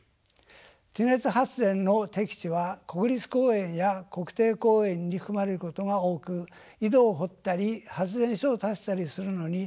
地熱発電の適地は国立公園や国定公園に含まれることが多く井戸を掘ったり発電所を建てたりするのに大きな制約があります。